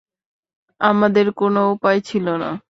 আমাদের কোনো উপায় ছিল না।